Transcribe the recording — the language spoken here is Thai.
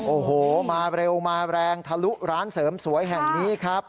โอ้โหมาเร็วมาแรงทะลุร้านเสริมสวยแห่งนี้ครับ